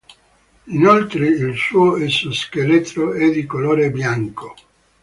Inoltre il suo esoscheletro è di colore bianco.